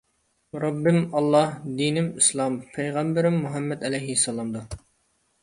رەببىم ئاللاھ دىنىم ئىسلام پەيغەمبىرىم مۇھەممەد ئەلەيھىسسالام دۇر